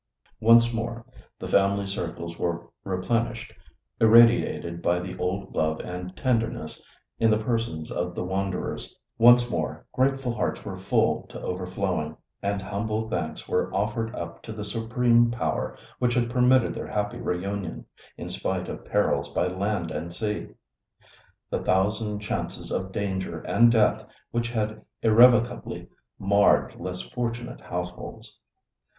Once more the family circles were replenished, irradiated by the old love and tenderness in the persons of the wanderers—once more grateful hearts were full to overflowing, and humble thanks were offered up to the Supreme Power which had permitted their happy reunion, in spite of perils by land and sea—the thousand chances of danger and death which had irrevocably marred less fortunate households.